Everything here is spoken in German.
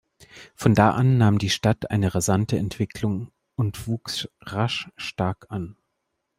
Von da an nahm die Stadt eine rasante Entwicklung und wuchs rasch stark an.